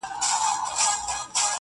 پر ساحل باندي ولاړ یمه زنګېږم،